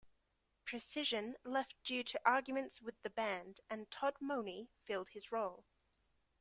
Precision left due to arguments with the band, and Todd Mohney filled his role.